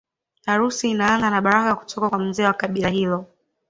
Harusi inaanza na baraka kutoka kwa mzee wa kabila hilo